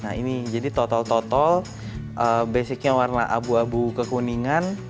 nah ini jadi total total basicnya warna abu abu kekuningan